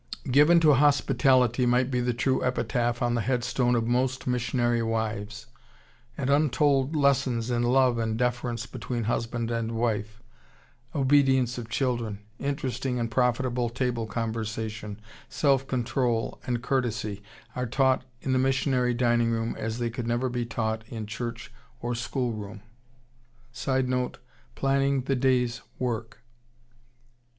] "Given to Hospitality" might be the true epitaph on the headstone of most missionary wives, and untold lessons in love and deference between husband and wife, obedience of children, interesting and profitable table conversation, self control, and courtesy, are taught in the missionary dining room as they could never be taught in church or school room. [Sidenote: Planning the day's work.